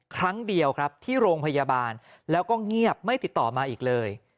ครั้งเดียวครับที่โรงพยาบาลแล้วก็เงียบไม่ติดต่อมาอีกเลย